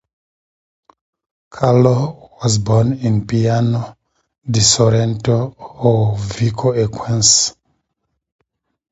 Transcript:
Carlo was born in Piano di Sorrento or Vico Equense.